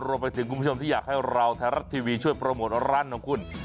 คุณผู้ชมที่อยากให้เราไทยรัฐทีวีช่วยโปรโมทร้านของคุณ